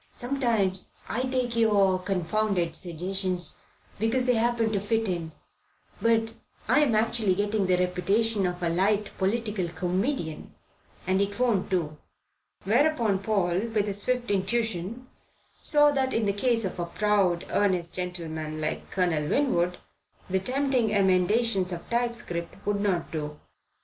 Sometimes I take your confounded suggestions, because they happen to fit in; but I'm actually getting the reputation of a light political comedian, and it won't do." Whereupon Paul, with his swift intuition, saw that in the case of a proud, earnest gentleman like Colonel Winwood the tempting emendations of typescript would not do.